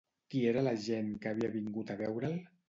Qui era l'agent que havia vingut a veure'l?